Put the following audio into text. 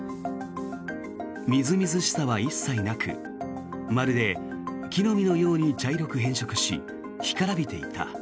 みずみずしさは一切なくまるで木の実のように茶色く変色し干からびていた。